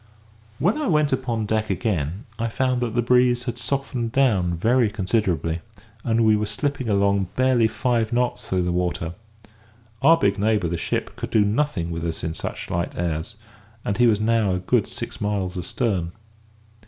When I went upon deck again, I found that the breeze had softened down very considerably, and we were slipping along barely five knots through the water. Our big neighbour, the ship, could do nothing with us in such light airs, and he was now a good six miles astern.